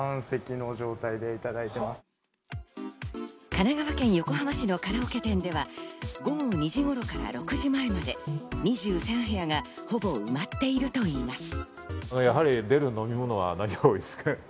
神奈川県横浜市のカラオケ店では、午後２時頃から午後６時前まで２３部屋がほぼ埋まっているといいます。